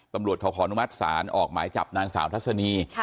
ตำรวจเขาขออนุมัติศาลออกหมายจับนางสาวทัศนี